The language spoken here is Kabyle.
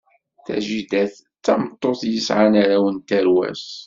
Tajidat d tameṭṭut yesɛan arraw n tarwa-s.